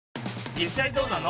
実際どうなの？